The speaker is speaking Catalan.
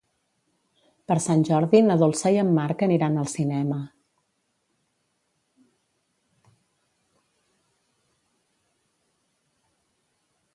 Per Sant Jordi na Dolça i en Marc aniran al cinema.